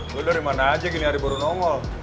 lo dari mana aja gini hari baru nomol